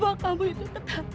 bella papa kamu itu ketat